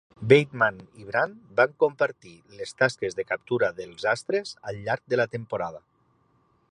Bateman i Brand van compartir les tasques de captura dels Astres al llarg de la temporada.